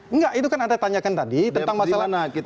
enggak itu kan anda tanyakan tadi tentang masalah kita